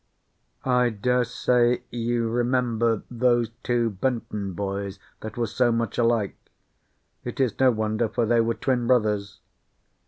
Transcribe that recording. I daresay you remember those two Benton boys that were so much alike? It is no wonder, for they were twin brothers.